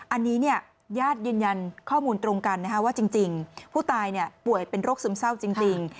อันนี้ญาติยืนยันข้อมูลตรงกันว่าจริงผู้ตายป่วยเป็นโรคซึมเศร้าจริง